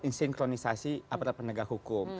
insinkronisasi aparat penegak hukum